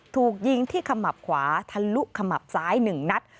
ถูกยิงที่ขมับขวาทะลุขมับซ้าย๑นัด